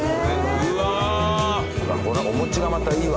うわこれお餅がまたいいわ。